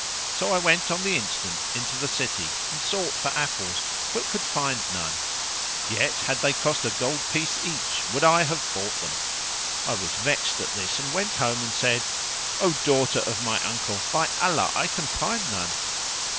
So I went on the instant into the city and sought for apples but could find none; yet, had they cost a gold piece each, would I have bought them. I was vexed at this and went home and said, "O daughter of my uncle. by Allah I can find none!"